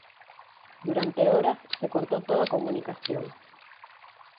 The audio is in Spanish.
Durante horas se cortó toda comunicación.